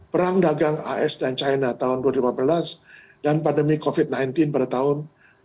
perang dagang as dan china tahun dua ribu lima belas dan pandemi covid sembilan belas pada tahun dua ribu dua puluh